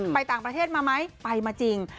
ไปต่างประเทศมาไหมไปมาจริง